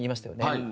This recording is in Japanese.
はい。